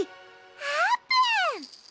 あーぷん！